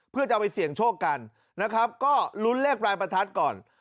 เพื่อจะเอาไปเสี่ยงโชคกันนะครับก็ลุ้นเลขปลายประทัดก่อน